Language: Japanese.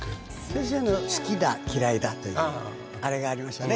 先生の「好きだ」「嫌いだ」というあれがありましたね。